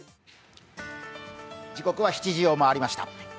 時刻は７時を回りました。